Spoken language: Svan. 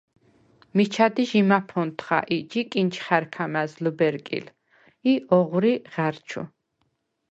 მიჩა დი ჟი მაფონთხა ი ჯი კინჩხა̈რქა მა̈ზ ლჷბერკილ ი ოღვრი ღა̈რჩუ.